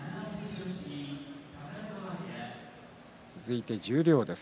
続いて十両です。